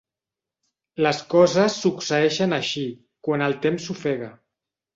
Les coses succeeixen així, quan el temps ofega.